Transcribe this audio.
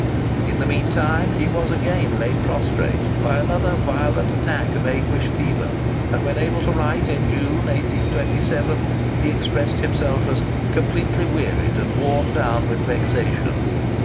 In the mean time he was again laid prostrate by another violent attack of aguish fever; and when able to write in June, 1827, he expressed himself as "completely wearied and worn down with vexation."